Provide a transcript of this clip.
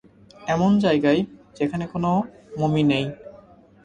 এমন জায়গায় যেখানে কোনও মমি নেই!